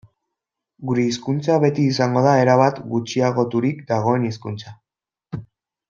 Gure hizkuntza beti izango da erabat gutxiagoturik dagoen hizkuntza.